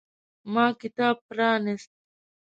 ما کتاب پرانیست.